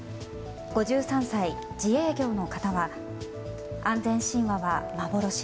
５３歳、自営業の方は安全神話は幻。